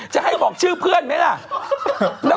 จะให้บอกชื่อเพื่อนไหมล่ะ